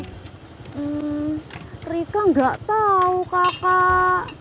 hmm rika nggak tahu kakak